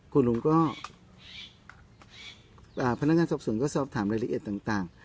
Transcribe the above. คุณลุงก็พนักงานสอบสวนก็สอบถามรายละเอียดต่าง